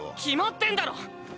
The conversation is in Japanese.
決まってんだろ！